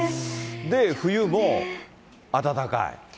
冬も暖かい。